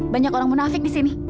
banyak orang munafik disini